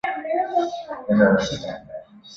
历史轴。